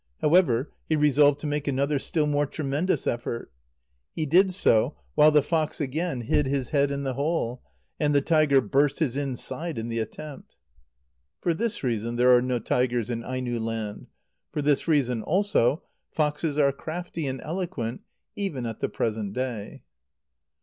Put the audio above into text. However he resolved to make another still more tremendous effort. He did so, while the fox again hid his head in the hole; and the tiger burst his inside in the attempt. For this reason there are no tigers in Aino land. For this reason, also, foxes are crafty and eloquent even at the present day.